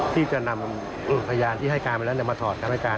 ที่จะนำพยานที่ให้การไปแล้วมาถอดคำให้การ